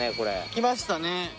きましたね！